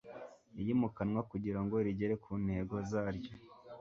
iyimukanwa kugira ngo rigere ku ntego zaryo